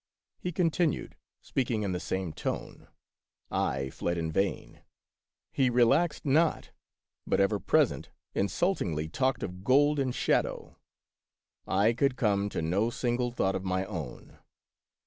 He continued speaking in the same tone. I fled in vain ; he relaxed not, but, ever present, insultingly talked of gold and shadow. I could come to no single thought of my own.